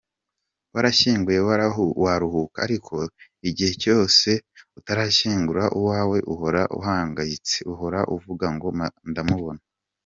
Warashyinguye waruhuka ariko igihe cyose utarashyingura uwawe uhora uhangayitse, uhora uvuga ngo ndamubona.